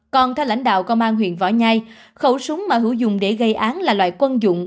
còn theo lãnh đạo công an huyện võ nhai khẩu súng mà hữu dùng để gây án là loại quân dụng